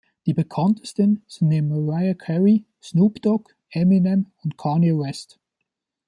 Die bekanntesten sind neben Mariah Carey, Snoop Dogg, Eminem und Kanye West.